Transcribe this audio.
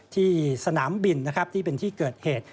ที่สนามบินนะครับที่เป็นที่เกิดเหตุ